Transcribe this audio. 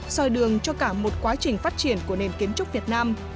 xoay đường cho cả một quá trình phát triển của nền kiến trúc việt nam